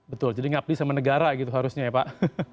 betul jadi ngabdi sama negara gitu harusnya ya pak